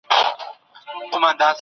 څنګه سره میاشت د زیانمنو سره مرسته کوي؟